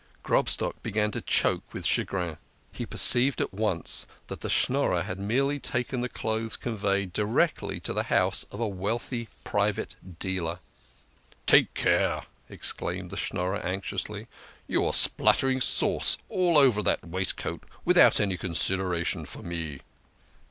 Grobstock began to choke with chagrin. He perceived at once that the Schnorrer had merely had the clothes con veyed direct to the house of a wealthy private dealer. " Take care !" exclaimed the Schnorrer anxiously, " you are spluttering sauce all over that waistcoat, without any consideration for me."